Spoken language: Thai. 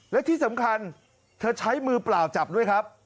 และที่สำคัญเธอใช้มือเปล่าจับด้วยครับ